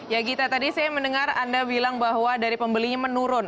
ya gita tadi saya mendengar anda bilang bahwa dari pembelinya menurun